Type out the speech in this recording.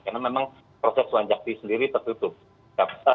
karena memang proses wanjakti sendiri tertutup